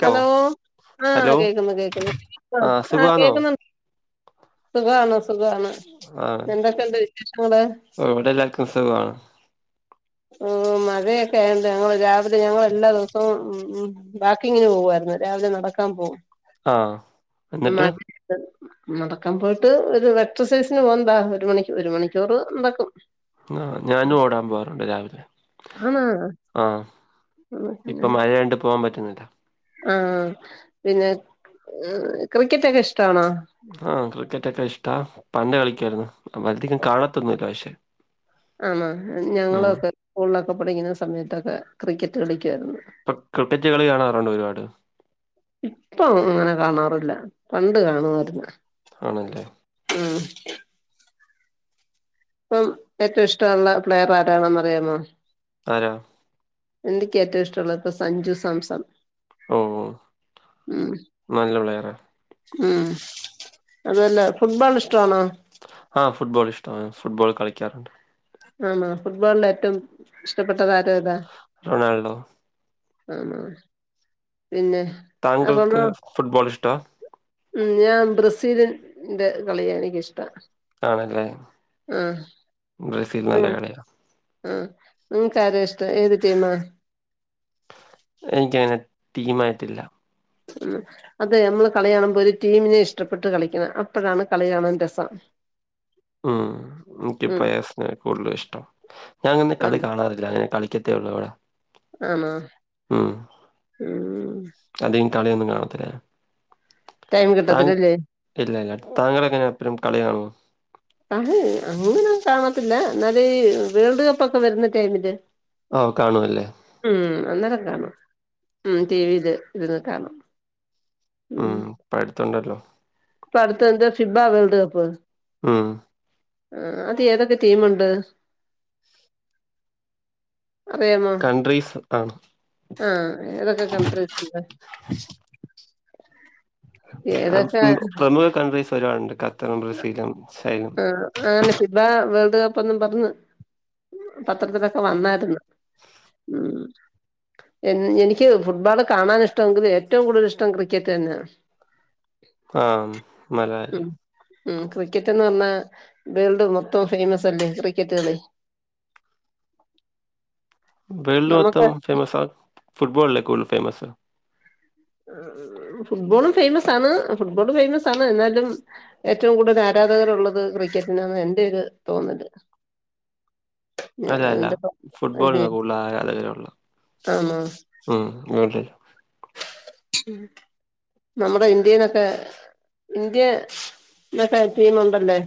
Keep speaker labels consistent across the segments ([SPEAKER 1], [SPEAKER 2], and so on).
[SPEAKER 1] ക്കോ
[SPEAKER 2] ഹലോ ആ
[SPEAKER 1] ഹലോ
[SPEAKER 2] കേക്കുന്നു കേക്കുന്നു ആ
[SPEAKER 1] ആഹ്
[SPEAKER 2] ആ
[SPEAKER 1] സുഖാണോ
[SPEAKER 2] കേക്കുന്നു. സുഖാണ്. സുഖാണ്
[SPEAKER 1] ആഹ്
[SPEAKER 2] എന്തൊക്കണ്ട് വിശേഷങ്ങള്?
[SPEAKER 1] ഇവിടെ എല്ലാർക്കും സുഖമാണ്
[SPEAKER 2] മഴയൊക്കെ ആയണ്ട് ഞങ്ങള് രാവിലെ ഞങ്ങള് എല്ലാ ദിവസവും ഉം ഉം ബാക്കി ഇങ്ങ്‌നെ പൂവായിരുന്ന്. രാവിലെ നടക്കാൻ പൂവും.
[SPEAKER 1] ആ ന്നിട്ട്.
[SPEAKER 2] നടക്കാൻ പോയിട്ട് ഒരു എക്സസൈസിന് പോകണതാ. ഒരു മണി ഒരു മണിക്കൂറ് നടക്കും.
[SPEAKER 1] ആ ഞാനും ഓടാൻ പോവാറുണ്ട് രാവിലെ.
[SPEAKER 2] ആണോ
[SPEAKER 1] ആ ഇപ്പ മഴ ആയോണ്ട് പോവാൻ പറ്റുന്നി
[SPEAKER 2] ആ പിന്നെ ഇഹ് ക്രിക്കറ്റൊക്കെ ഇഷ്
[SPEAKER 1] ആ ക്രിക്കറ്റൊക്കെ ഇഷ്ടാ. പണ്ട് കളിക്കായിരുന്നു. അപ്പ അധികം കാണത്തൊന്നുല്ല പക്ഷേ.
[SPEAKER 2] ആണ ഞങ്ങളൊക്കെ സ്കൂളിലൊക്കെ പഠിക്കുന്ന സമയത്തൊക്കെ ക്രിക്കറ്റ് കളി ക്കാര്ന്നു.
[SPEAKER 1] ഇപ്പൊ ക്രിക്കറ്റ് കളി കാണാറുണ്ട് ഒരുപാട്
[SPEAKER 2] ഇപ്പം അങ്ങനെ കാണാറില്ല. പണ്ട് കാണുവാര്ന്ന്‌.
[SPEAKER 1] ആണല്ലേ?
[SPEAKER 2] ഹ്മ് ഇപ്പം ഏറ്റവും ഇഷ്ടമുള്ള പ്ലെയർ ആരാണെന്നറിയാമോ?
[SPEAKER 1] ആരാ?
[SPEAKER 2] എന്നിക്ക് ഏറ്റവും ഇഷ്ടള്ളത് സഞ്ജു സാംസൺ.
[SPEAKER 1] ഓ
[SPEAKER 2] ഉം
[SPEAKER 1] നല്ല പ്ലെയറ.
[SPEAKER 2] ഉം അതല്ല ഫുട്ബാൾ ഇഷ്
[SPEAKER 1] ആ ഫുട്ബോൾ ഇഷ്ടമാണ്. ഫുട്ബോൾ കളിക്കാറുണ്ട്.
[SPEAKER 2] ആണോ ഫുട്ബോളിൽ ഏറ്റവും ഇഷ്ടപ്പെട്ട താരം ഏതാ?
[SPEAKER 1] റൊണാൾഡോ
[SPEAKER 2] ഹും പിന്നെ
[SPEAKER 1] താങ്കൾക്ക് ഫുട്ബോൾ ഇഷ്ടാ
[SPEAKER 2] [unintelligible] ഉം ഞാൻ ബ്രസീലിൻ ന്റെ കളിയെനിക്കിഷ്ടാണ്.
[SPEAKER 1] ആണല്ലേ ബ്രസീൽ നല്ല
[SPEAKER 2] ഉം
[SPEAKER 1] കളിയാ
[SPEAKER 2] ആഹ് നിങ്ങക്കാരെയിഷ്ടം ഏത് ടീമ-
[SPEAKER 1] എനിക്കങ്ങനെ ടീമായിട്ടില്ല.
[SPEAKER 2] ഉം അതെ നമ്മള് കളി കാണുമ്പോ ഒരു ടീമിനെ ഇഷ്ടപ്പെട്ട് കളിക്കണം അപ്പഴാണ് കളി കാണാൻ രസം.
[SPEAKER 1] ഉം
[SPEAKER 2] ഉം
[SPEAKER 1] എനിക്കിപ്ലേയേഴ്സിനെ കൂടുതലിഷ്ടം ഞാൻ നിന്ന് കളി കാണാറില്ല അങ്ങനെ കളിക്ക് വെള്ളോടെ
[SPEAKER 2] ആണാ ഉം
[SPEAKER 1] അധികം കളിയൊന്നും കാണത്തില്ലാ
[SPEAKER 2] ടൈം
[SPEAKER 1] താങ്ക്
[SPEAKER 2] കിട്ടത്തില്ലല്ലേ
[SPEAKER 1] ഇല്ലയില്ല താങ്കളെങ്ങനാ എപ്പഴും കളി കാണോ
[SPEAKER 2] ആഹ് അങ്ങനൊന്നും കാണത്തില്ല എന്നാല് വേൾഡ് കപ്പക്ക വരുന്ന ടൈമില്
[SPEAKER 1] ഓ കാണുവല്ലേ?
[SPEAKER 2] ഊം അന്നേരം കാണും ഉം ടീവീല് ഇരുന്ന് കാണും
[SPEAKER 1] ഊം പഠുത്തൊണ്ടല്ലോ
[SPEAKER 2] പടുത്തോണ്ട് ഫീബ വേൾഡ് കപ്പ്
[SPEAKER 1] ഈം
[SPEAKER 2] മ്മ് അതേതക്കെ ടീമുണ്ട്. അറിയാമോ
[SPEAKER 1] കൺട്രീസ് ആണ്.
[SPEAKER 2] ആഹ് ഏതൊക്കെ കൺട്രീസുണ്ട്.
[SPEAKER 1] ആം ഊം പ്രമുഖ കൺട്രീസ് ഒരാളുണ്ട് ഖത്തറും ബ്രസീലും. ചൈനയും
[SPEAKER 2] ആ ആന് സിബാ വേൾഡ് കപ്പെന്നും പറഞ്ഞ്. പത്രത്തിലൊക്ക വന്നായിരുന്ന് ഉം എൻ എനിക്കേ ഫുട്ബോള് കാണാനിഷ്ടമെങ്കിലും ഏറ്റവും കൂടുതൽ ഇഷ്ടം ക്രിക്കറ്റ് തന്നാണ്.
[SPEAKER 1] ആം നല്ലകാര്യം.
[SPEAKER 2] ഉം ക്രിക്കറ്റെന്ന് പറഞ്ഞാ വേൾഡിൽ മൊത്തം ഫേയ്മസ് അല്ലേ ക്രിക്കറ്റുകളി.
[SPEAKER 1] വേൾഡ്
[SPEAKER 2] നമുക്ക്
[SPEAKER 1] മൊത്തം ഫേമസാ ഫുട്ബോളല്ലേ കൂടുതൽ ഫേമസ്.
[SPEAKER 2] ഈം ഫുട്ബോളും ഫെയ്മസാണ് ഫുട്ബോള് ഫെയ്മസാണ് എന്നാലും ഏറ്റവും കൂടുതലാരാധ് രദ റുള്ളത് ക്രിക്കറ്റിനന്ന് എന്റൊരു തോന്നല്
[SPEAKER 1] അല്ല അല്ല
[SPEAKER 2] അതിന്റെ അതെ
[SPEAKER 1] ഫുട്ബോൾനാ കൂട്ൾ ആരാധകരുള്ളാ
[SPEAKER 2] ആണോ
[SPEAKER 1] ഉം എവിടെ
[SPEAKER 2] നമ്മുടെ ഇന്ത്യേനൊക്കെ ഇന്ത്യേ ന്നക്കെ ടീമുണ്ടല്ലേ.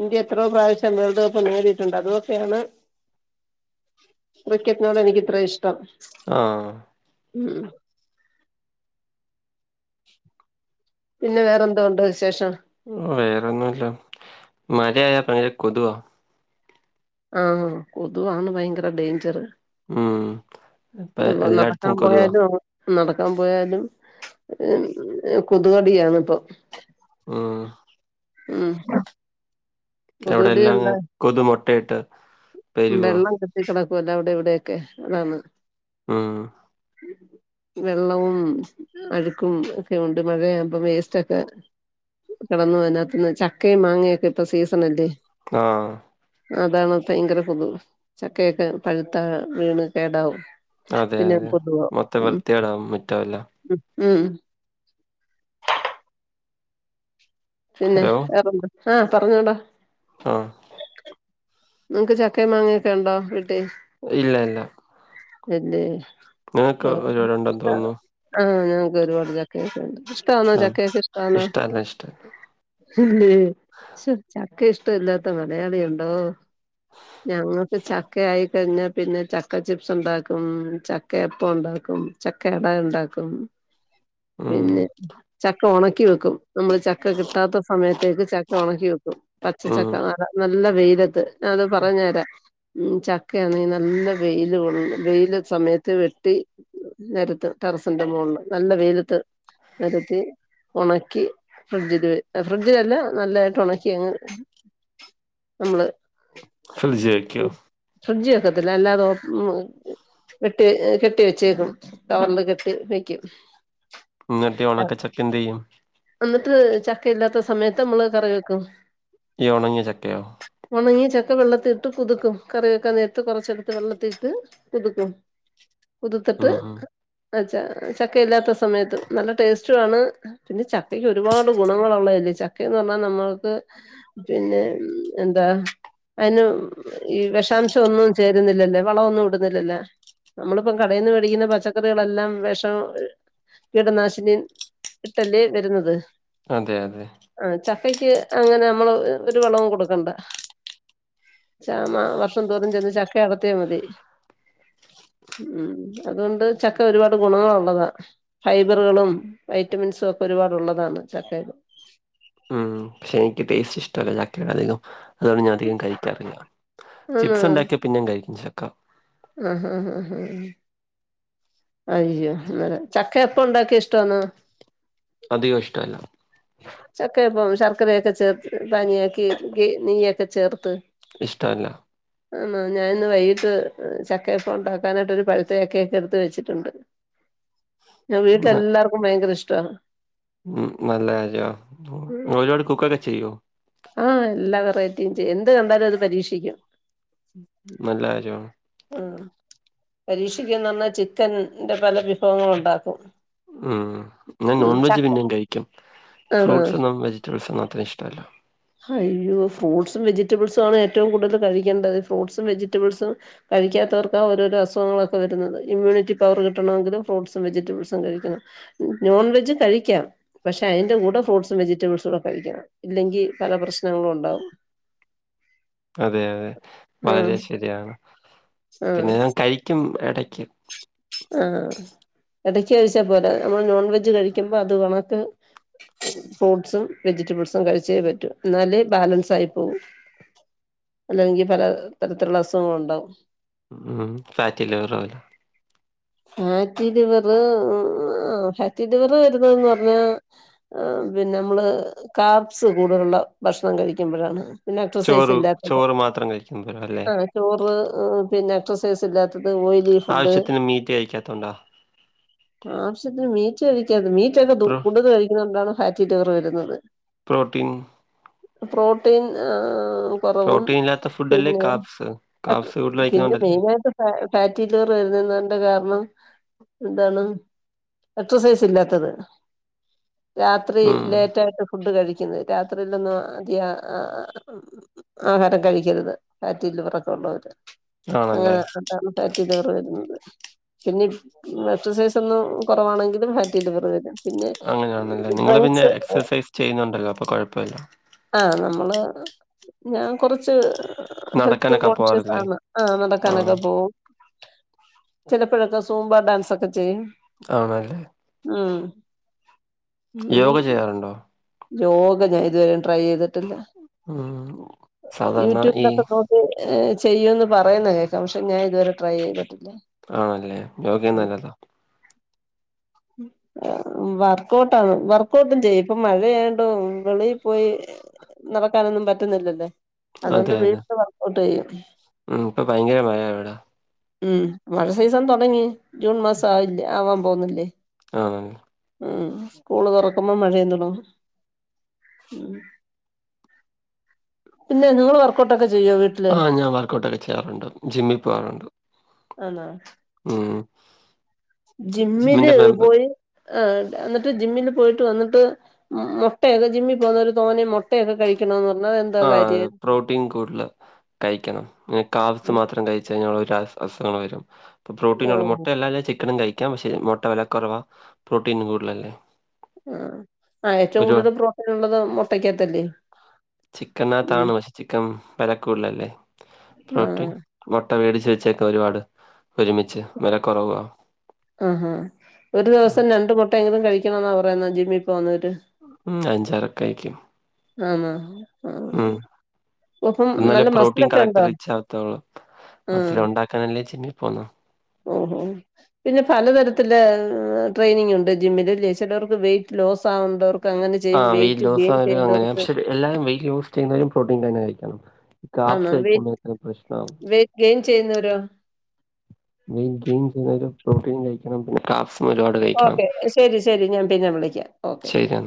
[SPEAKER 2] ഇന്ത്യ യെത്രോ പ്രാവശ്യം വേൾഡ് കപ്പ് നേടിയിട്ടുണ്ടതോക്കെയാണ്. ക്രിക്കറ്റിനോടെനിക്കിത്രയിഷ്ടം.
[SPEAKER 1] ആഹ്
[SPEAKER 2] ഉം പിന്ന വേറെന്തോണ്ട് വിശേഷം.
[SPEAKER 1] വേറൊന്നുല്ല മഴയായ ഭയങ്കര കൊതുവാ
[SPEAKER 2] ആഹ് കൊതുവാണ് ഭയങ്കര ഡേഞ്ചറ്
[SPEAKER 1] ഉം ഇപ്പ
[SPEAKER 2] ഈം ഒന്നാം
[SPEAKER 1] എല്ലായിടത്തും
[SPEAKER 2] [unintelligible]
[SPEAKER 1] കൊതുവാ
[SPEAKER 2] പോയാലും നടക്കാപോയാലും ഇം കൊതുകടിയാണിപ്പൊ
[SPEAKER 1] ആഹ്
[SPEAKER 2] ഉം എ
[SPEAKER 1] അവിടെല്ലാം കൊതുമൊട്ടയിട്ട്
[SPEAKER 2] വെള്ളം കെട്ടി കിടക്കുവല്ലേ അവിടിവിടെക്കെ അതാണ്.
[SPEAKER 1] ആഹ്
[SPEAKER 2] ഉം വെള്ളവും അഴുക്കും ഒക്കെയുണ്ട് മഴയാകുമ്പം വേസ്റ്റൊക്കെ കിടന്ന് അതിനകത്ത്ന്ന് ചക്കയും മാങ്ങയൊക്കിപ്പ സീസണല്ലേ
[SPEAKER 1] ആഹ്
[SPEAKER 2] അതാണ് ഭയങ്കര കൊതുവ് ചക്കയൊക്കെ പഴുത്താ വീണ് കേടാവും
[SPEAKER 1] അതെ
[SPEAKER 2] പിന്നെ
[SPEAKER 1] അതെ
[SPEAKER 2] കൊതുകാവും
[SPEAKER 1] മൊത്തം
[SPEAKER 2] ഉം
[SPEAKER 1] വൃത്തിയേടാവും മുറ്റവെല്ലാം.
[SPEAKER 2] ഉം ഉം പിന്നെ
[SPEAKER 1] ഹലോ
[SPEAKER 2] വേറെന്താ ആഹ് പറഞ്ഞോടാ.
[SPEAKER 1] ആഹ്
[SPEAKER 2] നിങ്ങക്ക് ചക്കയും മാങ്ങയൊക്കെയുണ്ടോ? വീട്ടി
[SPEAKER 1] ഇല്ല ഇല്ല
[SPEAKER 2] ഇല്ലേ
[SPEAKER 1] നിങ്ങക്ക് ഒരുപാടുണ്ടെന്ന് തോന്നുന്നു
[SPEAKER 2] ആഹ് ഞങ്ങക്ക് ഒരുപാട് ചക്കയൊക്കെയ്ണ്ട് ഇഷ്ടാന്നോ
[SPEAKER 1] ആഹ്
[SPEAKER 2] ചക്കയൊക്കെ ഇഷ്ടാന്നോ
[SPEAKER 1] ഇഷ്ടല്ല ഇഷ്ട
[SPEAKER 2] ഇല്ലേ ശോ ചക്ക ഇഷ്ടഇല്ലാത്ത മലയാളിയുണ്ടോ? ഞങ്ങക്ക് ചക്കയായിക്കഴിഞ്ഞാ പിന്നെ ചക്കച്ചിപ്സുണ്ടാക്കും ചക്കയപ്പഉണ്ടാക്കും. ചക്കയടണ്ടാക്കും
[SPEAKER 1] ഉം
[SPEAKER 2] പിന്നെ ചക്ക ഒണക്കി വെക്കും നമ്മള് ചക്ക കിട്ടാത്ത സമയത്തേക്ക് ചക്ക ഒണക്കി വെക്കും
[SPEAKER 1] ഉം
[SPEAKER 2] പച്ചച്ചക്ക [unintelligible] നല്ല വെയിലത്ത് ഞാനത് പറഞ്ഞ്തരാ ചക്കയാണെ നല്ല വെയില് കൊള്ളും വെയില് സമയത്ത് വെട്ടി നെരത്തും ടെറസിന്റെ മോളില് നല്ല വെയിലത്ത് നെരത്തി ഒണക്കി ഫ്രിഡ്ജില് വെ ഫ്രിഡ്ജിലല്ലാ നല്ലായിട്ട് ഒണക്കിയങ്ങ് നമ്മള്
[SPEAKER 1] ഫ്രിഡ്ജിവെക്കോ
[SPEAKER 2] ഫ്രിഡ്ജി വെക്കത്തില്ല അല്ലാതൊ കെട്ടി കെട്ടി വെച്ചേക്കും കവറില് കെട്ടി വെക്കും
[SPEAKER 1] എന്നങ്ങിട്ടിയൊണക്ക ചക്കയെന്ത്‌ ചെയ്യും
[SPEAKER 2] ഇന്നിട്ട് ചക്കയില്ലാത്ത സമയത്ത് നമ്മള് കറിവെക്കും
[SPEAKER 1] ഈ ഒണങ്ങിയ ചക്കെയോ
[SPEAKER 2] ക്കെ വെള്ളത്തിലിട്ട് കുതുക്കും കറിവെക്കാ നേരത്ത് കൊറച്ചെടുത്ത് വെള്ളത്തിലിട്ട് കുതുക്കും. കുതുത്തിട്ട്
[SPEAKER 1] ഉം ഉം
[SPEAKER 2] ച ചക്കയില്ലാത്ത സമയത്ത് നല്ല ടേസ്റ്റുആണ് പിന്നെ ചക്കക്ക് ഒരുപാട് ഗുണങ്ങളുള്ളതല്ലേ ചക്കെന്ന് പറഞ്ഞാ നമ്മൾക്ക് പിന്നെ എന്താ അയിന് ഈ വിഷാംശഒന്നും ചേരുന്നില്ലല്ലേ വളമൊന്നും ഇടുന്നില്ലല്ലേ നമ്മളിപ്പം കടയിന്ന് മേടിക്കുന്ന പച്ചക്കറികളെല്ലാം വെഷം കീടനാശിനി ഇട്ടല്ലേ വരുന്നത്
[SPEAKER 1] അതെ അതെ
[SPEAKER 2] ഇവക്ക് അങ്ങനെ നമ്മള് ഒരു വളവും കൊടുക്കണ്ട ക്ഷാമ വർഷംതോറും ചെന്ന് ചക്ക അടത്തിയ മതി ഉം അതുകൊണ്ട് ചക്ക ഒരുപാട് ഗുണങ്ങളുള്ളതാ ഫൈബറുകളും വൈറ്റമിൻസുഒക്കെ- ഒരുപാടുള്ളതാണ് ചക്കയില്
[SPEAKER 1] ഉം പക്ഷെനിക്ക് ടേസ്റ്റിഷ്ടല്ല ചക്കയുടെ അധികം അതാണ് ഞാൻ അധികം കഴിക്കാധികം ചിപ്സ്ണ്ടാക്കിയാ പിന്നേം കഴിക്കും ചക്ക
[SPEAKER 2] ആ-ഹ-ഹ-ഹ അയ്യോ എന്നാലും ചക്കയപ്പൊണ്ടാക്കിയ ഇഷ്ടാന്നോ
[SPEAKER 1] അധികം ഇഷ്ടല്ല
[SPEAKER 2] ചക്കയപ്പം ശർക്കരയൊക്കെ ചേർത്ത് പാനീയാക്കി നെയ്യൊക്കെ ചേർത്ത്
[SPEAKER 1] ഇഷ്ടഅല്ല
[SPEAKER 2] ആന്നോ ഞാനിന്ന് വൈകിട്ട് ചക്കയപ്പുണ്ടാക്കാനായിട്ട് ഒരു പഴുത്ത ചക്കയൊക്കെടുത്ത് വെച്ചി ട്ട്ണ്ട് ഞെ
[SPEAKER 1] ന-
[SPEAKER 2] വീട്ടിലെല്ലാർക്കും ഭയങ്കര ഇഷ്ടവാ
[SPEAKER 1] ഉം നല്ലജോനിങ്ങൊരുപാട് കുക്കൊക്കെ ചെയ്യോ
[SPEAKER 2] ആഹ് എല്ലാ വെറൈറ്റിയും ചെയ്യും എന്ത് കണ്ടാലും അത് പരീക്ഷിക്കും.
[SPEAKER 1] നല്ലാര്യണ്.
[SPEAKER 2] ഉം പരീക്ഷിക്കന്ന് പറഞ്ഞാൽ ചിക്കൻന്റെ പല വിഭവങ്ങള ഉണ്ടാക്കും.
[SPEAKER 1] ഉം ഞാൻ
[SPEAKER 2] ഉം
[SPEAKER 1] നോൺവെജ്
[SPEAKER 2] ചക്ക
[SPEAKER 1] പിന്നെയും കഴിക്കും.
[SPEAKER 2] ആണോ
[SPEAKER 1] ഫ്രൂട്ടസ് എന്നും വെജിറ്റബിൾ സൊ ന്നും അത്ര ഇഷ്ടല്ല
[SPEAKER 2] അയ്യോ ഫ്രൂട്ട്സും വെജിറ്റബിൾസും ആണ് ഏറ്റവും കൂടുതൽ കഴിക്കേണ്ടത് ഫ്രൂട്ട്സും വെജിറ്റബിൾസും ക കഴിക്കാവർക്കാണ് ഓരോരസുഖങ്ങളൊക്കെ വരുന്നത് ഇമ്മ്യൂണിറ്റിപവർ കിട്ടണമെങ്കില് ഫ്രൂട്ട്സും വെജിറ്റബിൾസും കഴിക്കണം നോൺ വെജ് കഴിക്കാം പക്ഷെ അതിന്റെ കൂടെ ഫ്രൂട്ട്സും വെജിറ്റബിൾസും കൂടെ കഴിക്കണം ഇല്ലെങ്കിൽ പല പ്രശ്നങ്ങളും ഉണ്ടാവും
[SPEAKER 1] അതെ അതെ
[SPEAKER 2] ആഹ്
[SPEAKER 1] വളരെ ശരിയാണ് പിന്നെ ഞാൻ കഴിക്കും എട
[SPEAKER 2] ആഹ എടക്ക് കഴിച്ചാ പോരാ നമ്മൾ നോൺ വെജ് കഴിക്കുമ്പോ അത് കണക്ക് ഫ്രൂട്ടസും വെജിറ്റബിൾസും കഴിച്ചേ പറ്റൂ എന്നാല് ബാലൻസ് ആയി പോവു അല്ലെങ്കിൽ പല തരത്തിലുള്ള അസുഖങ്ങളു ണ്ടാവും
[SPEAKER 1] ഫാറ്റി ലിവർ പോലെ
[SPEAKER 2] [inaudible] ഫാറ്റി ലിവർ ആ ഫാറ്റി ലിവർ വരുന്നന്ന് പറഞ്ഞാ പി നമ്മള് കാർ്സ് കൂടുതലുള്ള ഭക്ഷണം കഴിക്കുമ്പോഴാണ് പിന്നെ എക്സസൈസ്
[SPEAKER 1] ചോറ്
[SPEAKER 2] ഇല്ലാത്തത്
[SPEAKER 1] ചോറ് മാത്രം കഴിക്കും പോലും അല്ലേ
[SPEAKER 2] ആ ചോറ് പിന്നെ എക്സസൈസ് ഇല്ലാത്തത് ഓയിലി ഫുഡ്
[SPEAKER 1] ആവശ്യത്തിന് മീറ്റ് കഴിക്കാത്തോണ്ടാ
[SPEAKER 2] ആവശ്യത്തിന് മീ മീറ്റ് കഴിക്കര്ത് മീറ്റൊക്കെ
[SPEAKER 1] പ്രോ
[SPEAKER 2] കൂടുതൽ കഴിക്കുന്ന കൊണ്ടാണ് ഫാറ്റി ടവർ വരുന്നത്
[SPEAKER 1] പ്രോട്ടീൻ
[SPEAKER 2] പ്രോട്ടീൻ ആ കൊറവും
[SPEAKER 1] പ്രോട്ടീൻ ഇല്ലാത്ത ഫുഡല്ലേ
[SPEAKER 2] പിന്നെ
[SPEAKER 1] കാപ്സ് കാപ്സ് കൂടുതൽ
[SPEAKER 2] ആ
[SPEAKER 1] കഴിക്കുന്നോണ്ടല്ലേ
[SPEAKER 2] മെയിനായിട്ട് ഫ്ലാറ്റിലിവ [unintelligible] ന്റെ കാരണം എന്താണ് എക്സസൈസ് ഇല്ലാത്തത് രാത്രി
[SPEAKER 1] ഉം
[SPEAKER 2] ലേറ്റായിട്ട് ഫുഡ് കഴിക്ക [unintelligible] രാത്രിയിലൊന്നും അധിക ആഹാരം കഴിക്കരുത് ഫ്ലാലിവററൊക്കെ ഉള്ളവര്
[SPEAKER 1] ആണല്ലേ
[SPEAKER 2] ആഹ് ആ [unintelligible] ലിവർ വരുന്നത് പിന്നെ എക്സസൈസ് ഒന്നും കുറവാണെങ്കും ഫാറ്റി ലിവർ വരും പിന്നെ
[SPEAKER 1] അങ്ങനെയാണല്ലേ നിങ്ങള് പിന്നെ
[SPEAKER 2] ഡ്രങ്ക്സ്
[SPEAKER 1] എക്സർസൈസ് ചെയ്യുന്നുണ്ടല്ലോ അപ്പൊ കൊഴപ്പല്ല
[SPEAKER 2] ആഹ നമ്മള് ഞാൻ കൊറച്ച് ആഹ് ഹെൽത്ത്
[SPEAKER 1] നടക്കാനൊക്കെ
[SPEAKER 2] കോൺഷ്യസ്
[SPEAKER 1] പോവാറില്ലേ
[SPEAKER 2] ആണ് ആ
[SPEAKER 1] ആഹ്
[SPEAKER 2] നടക്കാനൊക്കെ പോവും ചിലപ്പോഴൊക്കെ സൂംബാ ഡാൻസ്സൊക്കെ ചെയ്യും
[SPEAKER 1] ആണല്ലേ
[SPEAKER 2] മ്
[SPEAKER 1] യോഗ ചെയ്യാറുണ്ടോ
[SPEAKER 2] യോഗ ഞാൻ ഇതുവരെയും ട്രൈ ചെയ് ട്ടില്ല
[SPEAKER 1] ഉം സാധാരണ ഈ
[SPEAKER 2] യുറ്റൂബിലൊക്കെ നോക്കി ഹേ ചെയ്യുമ്ന്ന് പറയുന്ന കേൾക്കാം പക്ഷെ ഞാൻ ഇതുവരെ ട്രൈ ചെയ്ത്
[SPEAKER 1] ആണല്ലേ രോഖിയൊന്നല്ലല്ലോ
[SPEAKER 2] വർക്ക്ഔട്ടാണ് വർക്ക്ഔട്ടും ചെയ്യ ഇപ്പം മഴയായോണ്ട് വെളിയിൽ പോയി നടക്കാനൊന്നും പറ്റുന്നില്ലല്ലേ അതുകൊണ്ട്
[SPEAKER 1] അതെ അതെ
[SPEAKER 2] വീട്ടില് വർക്ക്ഔട്ട് ചെയ്യും
[SPEAKER 1] ഉം ഇപ്പൊ ഭയങ്കര മഴ ഇവിടാ
[SPEAKER 2] ഉം മഴ സീസൺ തൊടങ്ങി ജൂൺ മാസം ആയി ല്ലേ ആവാൻ പോന്നില്ലേ
[SPEAKER 1] ആഹ
[SPEAKER 2] ഉം സ്കൂള് തുറക്കുമ്പോ മഴയും തുടങ്ങും ഉം ഇല്ല നിങ്ങള് വർക്കൗട്ടൊക്കെ ചെ
[SPEAKER 1] ആഹ് ഞാൻ വർക്ക്ഔട്ടൊക്കെ ചെയ്യാറുണ്ട് ജിമ്മിൽ പോവാറുണ്ട്
[SPEAKER 2] ആണോ
[SPEAKER 1] ഉം
[SPEAKER 2] ജിമ്മില്
[SPEAKER 1] ജിമ്മിന്റെ മെമ്പർ
[SPEAKER 2] പോയി ആഹ് എന്നട്ട് ജിമ്മിന്ന് പോയിട്ട് വന്നട്ട് മൊട്ടയൊക്കെ ജിമ്മീ പോകുന്നവര് തോനെ മൊട്ടയൊക്കെ കഴിക്കണോന്നു
[SPEAKER 1] ആഹ് പ്രോട്ടീൻ കൂടല് കഴിക്കണം നെ കാർബ്സ് മാത്രം കഴിച്ച് കഴിഞ്ഞാ ഉള്ളൊരസ് അസുഖങ്ങള് വരും പ് പ്രോട്ടീനുള്ള
[SPEAKER 2] ഓഹ്
[SPEAKER 1] മൊട്ടയല്ലാതെ ചിക്കനും കഴി ക്കാം പക്ഷെ മൊട്ട വെലക്കൊറവാ പ്രോട്ടീനും കൂടലല്ലേ
[SPEAKER 2] ആഹ് ആഹ് ഏറ്റവും കൂടുതല് പ്രോട്ടീനുള്ളത് മൊട്ടക്ക്യാത്തല്ലേ
[SPEAKER 1] ചിക്കനാത്താണ് പക്ഷെ ചിക്കൻ വെല കൂ
[SPEAKER 2] ആഹ്
[SPEAKER 1] ട്ട വേടിച്ച് വെച്ചേക്കുവാ ഒരുപാട് ഒരുമിച്ച് വെല കൊറവു ആ
[SPEAKER 2] ആഹാ ഒരു ദിവസം രണ്ട് മൊട്ടയെങ്കിലും കഴിക്കണംന്നാ പറയുന്നെ ജിമ്മീ പോന്നവര്
[SPEAKER 1] ഉം അഞ്ചാറക്കയിക്കും
[SPEAKER 2] ആണാ ആഹ് അപ്പം
[SPEAKER 1] എന്നാലേ
[SPEAKER 2] നല്ല
[SPEAKER 1] പ്രോട്ടീൻ
[SPEAKER 2] മസിലൊക്കെ
[SPEAKER 1] കറക്റ്റ്
[SPEAKER 2] ഉണ്ടോ
[SPEAKER 1] റിച്ചാവത്തൊള്ളൂ
[SPEAKER 2] ആഹ്
[SPEAKER 1] മസിലൊണ്ടാക്കാനല്ലേ ജിമ്മീപ്പോന്ന
[SPEAKER 2] ഓഹോ പിന്നെ പലതരത്തില് ട്രെയിനിങ്ങ്യുണ്ട് ജിമ്മില് ഇല്ലേ ചെലവർക്ക് വെയിറ്റ് ലോസാവണ്ടവർക്ക് അങ്ങന ചെയ്യും
[SPEAKER 1] ആഹ്
[SPEAKER 2] വെയിറ്റ്
[SPEAKER 1] ലോസ്
[SPEAKER 2] ഗെയിൻ
[SPEAKER 1] ആയാലും അങ്ങനെ
[SPEAKER 2] ചെയ്യേണ്ടവർക്ക്
[SPEAKER 1] പക്ഷെ എല്ലാരും വെയിറ്റ് ലോസ് ചെയ്യുന്നവരും പ്രോട്ടീൻ തന്ന കഴിക്കണം കാപ്സ്
[SPEAKER 2] ആഹ് വെയിറ്റ്
[SPEAKER 1] കഴിക്കുമ്പോഴത്തേനും പ്രശ്നാവും
[SPEAKER 2] വെയിറ്റ് ഗെയിൻ ചെയ്യുന്നവരോ
[SPEAKER 1] വെയിറ്റ് ഗെയിൻ ചെയ്യുന്നവരും പ്രോട്ടീൻ കഴിക്കണം പിന്നെ കാർബ്സ്
[SPEAKER 2] ഓക്കെ ശരി ശരി ഞാൻ പിന്നെ വിളിക്ക്യാം ഓക്കെ
[SPEAKER 1] ശരിയെന്നാ